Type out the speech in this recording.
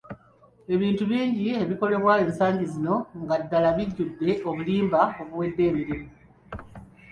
Ebintu bingi ebikolebwa ensangi zino nga ddala bijjudde obulimba obuwedde emirimu.